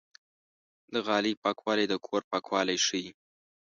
د غالۍ پاکوالی د کور پاکوالی ښيي.